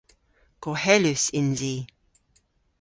Gohelus yns i.